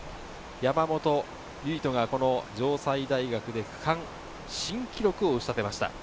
山本唯翔が城西大学で区間新記録を打ち立てました。